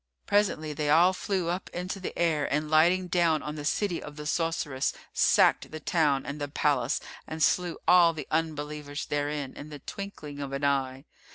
Presently they all flew up into the air and lighting down on the city of the sorceress, sacked the town and the palace and slew all the Unbelievers therein in the twinkling of an eye.